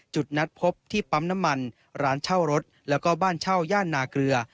จุดนัดพบที่ปั๊มน้ำมันร้านเช่ารถแล้วก็บ้านเช่าย่านนาเกลือ